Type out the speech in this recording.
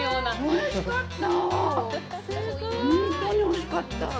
おいしかったー！